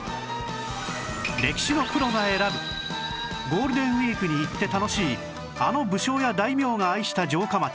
歴史のプロが選ぶゴールデンウィークに行って楽しいあの武将や大名が愛した城下町